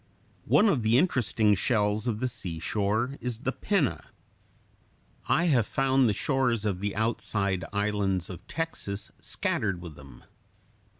One of the interesting shells of the seashore is the Pinna. I have found the shores of the outside islands of Texas scattered with them.